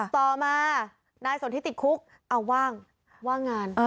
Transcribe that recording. ต่อมานายสนทิติดคุกเอาว่างว่างงาน